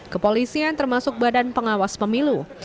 kepolisian termasuk badan pengawas pemilu